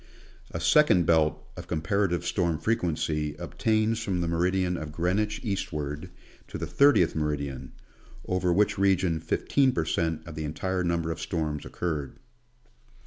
A second belt of comparative storm frequency obtains from the meridian of Greenwich eastward to the 30th meridian ; over which region 15 per cent, of the entire number of storms occurred.